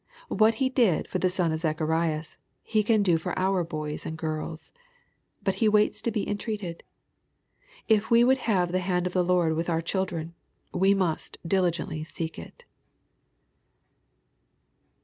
What He did for the son of 2«acharias, He can do for our boys and girls. But He waits to be entreated. If we would have the hand ol the Lord with our children, we must diligently seek it.